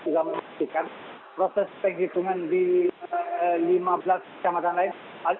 sudah memastikan proses perhitungan di lima belas kecamatan lain